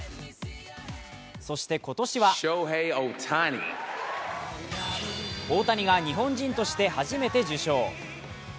そして今年は大谷が日本人として初めて受賞。